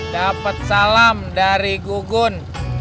dapet salam dari gugun